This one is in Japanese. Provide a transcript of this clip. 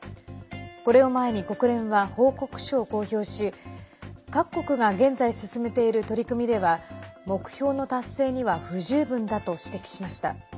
これを前に国連は報告書を公表し各国が現在進めている取り組みでは目標の達成には不十分だと指摘しました。